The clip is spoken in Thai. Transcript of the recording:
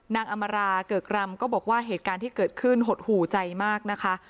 อำมาราเกิกรำก็บอกว่าเหตุการณ์ที่เกิดขึ้นหดหูใจมากนะคะ